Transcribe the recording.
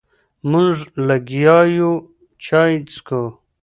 مونږ لګیا یو چای څکو.